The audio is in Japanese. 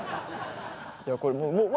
じゃあこれもううわ